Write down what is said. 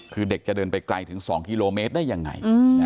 คือเด็กจะเดินไปไกลถึง๒กิโลเมตรได้ยังไง